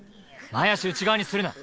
前足内側にするな。